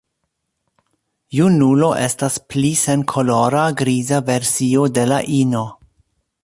Junulo estas pli senkolora griza versio de la ino.